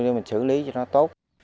để mình xử lý cho nó tốt